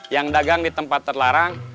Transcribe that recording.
yang dagang di tempat terlarang